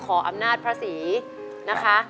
อำนาจพระศรีนะคะ